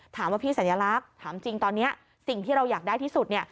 ถามว่าพี่สัญลักษณ์ถามจริงตอนนี้สิ่งที่เราอยากได้ที่สุด